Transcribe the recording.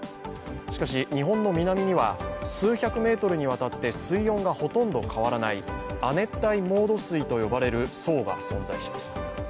しかし日本の南には数百メートルにわたって水温がほとんど変わらない亜熱帯モード水と呼ばれる層が存在します。